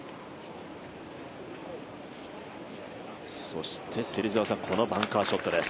そして芹澤さん、このバンカーショットです。